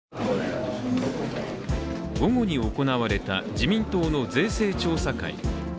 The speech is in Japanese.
午後に行われた自民党の税制調査会。